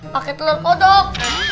pakai telur kodok